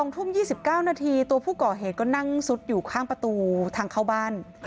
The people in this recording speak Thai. ๒ทุ่ม๒๙นาทีตัวผู้ก่อเหตุก็นั่งซุดอยู่ข้างประตูทางเข้าบ้าน